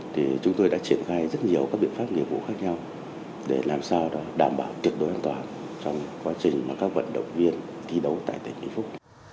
thì chúng tôi đã triển khai rất nhiều các biện pháp nghiệp vụ khác nhau để làm sao đảm bảo tuyệt đối an toàn trong quá trình mà các vận động viên thi đấu tại tỉnh vĩnh phúc